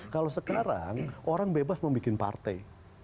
kalau sekarang orang bebas membuat partai